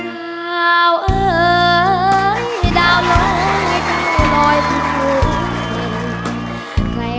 ดาวเอ่ยดาวหลงอย่างกินบ่อยทุกเรียน